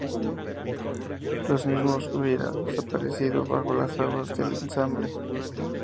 Los mismos hubiera desaparecido bajo las aguas del embalse.